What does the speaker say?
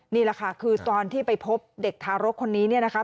นี่แหละค่ะคือตอนที่ไปพบเด็กทารกคนนี้เนี่ยนะคะ